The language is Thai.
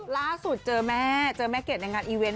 ล่าสุดเจอแม่เจอแม่เกดในงานอีเวนต